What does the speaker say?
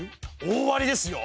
大ありですよ。